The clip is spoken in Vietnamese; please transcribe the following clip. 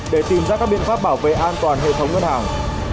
để tìm ra các biện pháp bảo vệ an toàn hệ thống ngân hàng